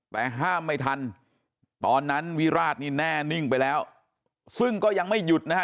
แต่ห้ามไม่ทันตอนนั้นวิราชนี่แน่นิ่งไปแล้วซึ่งก็ยังไม่หยุดนะฮะ